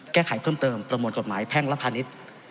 แก้ไขเพิ่มเติมประมวลกฎหมายแพ่งและพาณิชย์